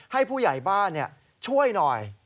ให้ผู้ใหญ่บ้านช่วยหน่อย